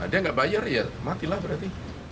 dia nggak bayar ya matilah berarti